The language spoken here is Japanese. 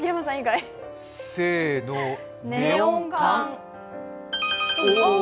せーの、ネオン管。